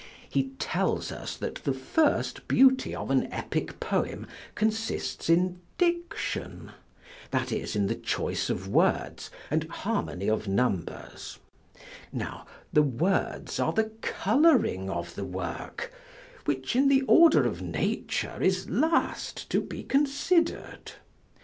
He tells us that the first beauty of an epic poem consists in diction, that is, in the choice of words, and harmony of numbers; now the words are the coloring of the work, which in the order of nature is last to be consider'd.